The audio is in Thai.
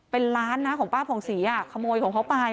เป็นล้านนะของป้าผ่องศรีขโมยของเขาไป